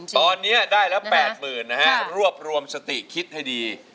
ตอนนี้ได้แล้ว๘๐๐๐นะฮะรวบรวมสติคิดให้ดี